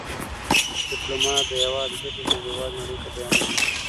ډيپلومات د هېواد ګټې نړېوالي نړۍ ته بیانوي.